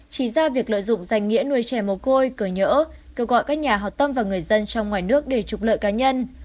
chỉ ra việc lợi dụng danh nghĩa nuôi trẻ mồ côi cờ nhỡ kêu gọi các nhà hào tâm và người dân trong ngoài nước để trục lợi cá nhân